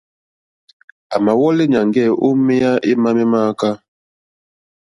A mà wɔ̀lɛ̀nɛ̀ nyàŋgɛ̀ o meya ema me ma akɛ̀ɛ̀.